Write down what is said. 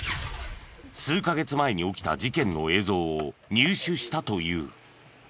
数カ月前に起きた事件の映像を入手したという。